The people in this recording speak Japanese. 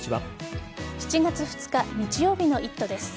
７月２日日曜日の「イット！」です。